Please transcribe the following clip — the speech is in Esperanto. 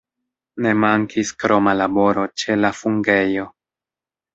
Ne mankis kroma laboro ĉe la fungejo.